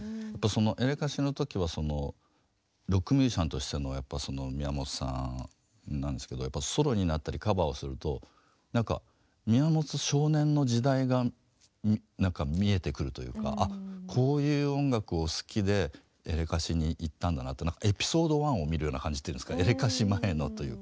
エレカシの時はロックミュージシャンとしてのやっぱ宮本さんなんですけどソロになったりカバーをするとなんか宮本少年の時代がなんか見えてくるというかあっこういう音楽を好きでエレカシにいったんだなってエピソードワンを見るような感じっていうんですかエレカシ前のというか。